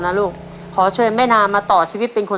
ตัวเลือดที่๓ม้าลายกับนกแก้วมาคอ